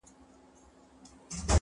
سره لمبه به دا ښارونه دا وطن وي،